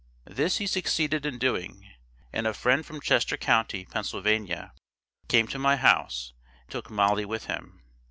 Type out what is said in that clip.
This he succeeded in doing, and a friend from Chester county, Pennsylvania, came to my house and took Molly with him.